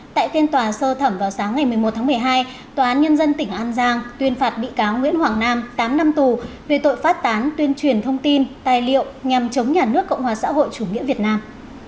tại phiên tòa sơ thẩm vào sáng ngày một mươi một tháng một mươi hai tòa án nhân dân tỉnh an giang tuyên phạt bị cáo nguyễn hoàng nam tám năm tù về tội phát tán tuyên truyền thông tin tài liệu nhằm chống nhà nước cộng hòa xã hội chủ nghĩa việt nam